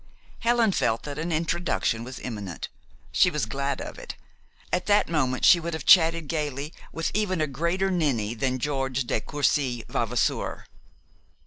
Helen felt that an introduction was imminent. She was glad of it. At that moment she would have chatted gayly with even a greater ninny than George de Courcy Vavasour.